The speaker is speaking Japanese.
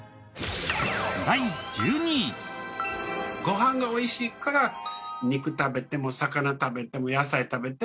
ご飯が美味しいから肉食べても魚食べても野菜食べても美味しい。